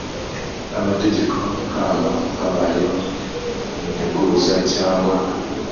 Amategeko haba habayeho integuza cyangwa